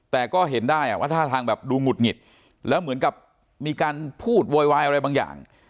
แต่ก็เห็นได้ว่าท่าทางแบบดูหงุดหงิดแล้วเหมือนกับมีการพูดโวยวายอะไรบางอย่าง